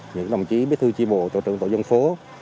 những đồng chí bí thư tri bộ tổ trưởng tổ dân phố